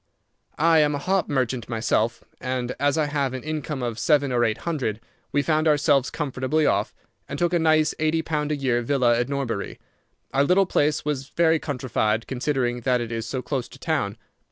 "I am a hop merchant myself, and as I have an income of seven or eight hundred, we found ourselves comfortably off, and took a nice eighty pound a year villa at Norbury. Our little place was very countrified, considering that it is so close to town.